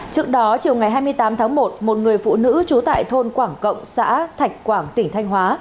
trước đó chiều ngày hai mươi tám tháng một một người phụ nữ trú tại thôn quảng cộng xã thạch quảng tỉnh thanh hóa